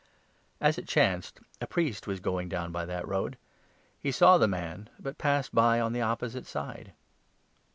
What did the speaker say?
As it chanced, a priest was going down 31 by that road. He saw the man, but passed by on the opposite side.